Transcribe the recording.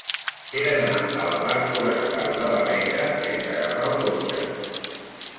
He d'anar al parc Forestal de la Meca sense agafar el cotxe.